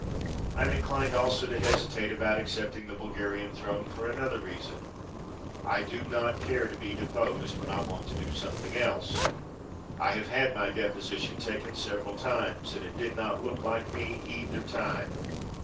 I am inclined also to hesitate about accepting the Bulgarian throne for another reason I do not care to be deposed when I want to do something else. I have had my deposition taken several times and it did not look like me either time.